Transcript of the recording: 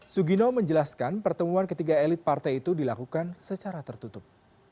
sugino menjelaskan pertemuan ketiga elit partai itu dilakukan secara tertutup